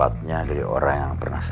tidak ada yang tahu